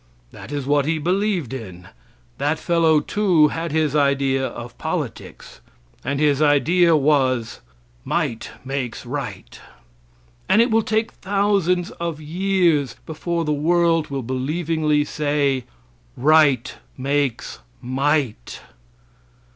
That is what he believed in. That fellow, too, had his idea of politics, and his idea was, "Might makes right." And it will take thousands of years before the world will believingly say, "Right makes might."